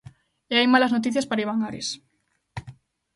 E hai malas noticias para Iván Ares...